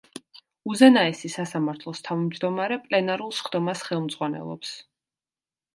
უზენაესი სასამართლოს თავმჯდომარე პლენარულ სხდომას ხელმძღვანელობს.